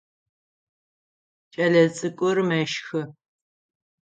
Кӏэлэцӏыкӏур мэщхы.